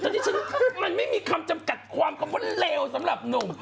แล้วที่ฉันมันไม่มีคำจำกัดความคนเลวสำหรับหลวง